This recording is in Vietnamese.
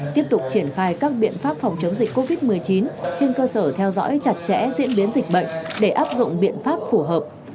tiếp tục triển khai các biện pháp phòng chống dịch covid một mươi chín trên cơ sở theo dõi chặt chẽ diễn biến dịch bệnh để áp dụng biện pháp phù hợp